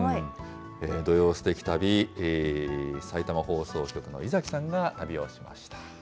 土曜すてき旅、埼玉放送局の猪崎さんが旅をしました。